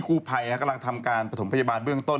กู้ภัยกำลังทำการประถมพยาบาลเบื้องต้น